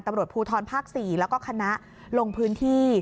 ดับรดภูทร๔และคณะลงพื้นที่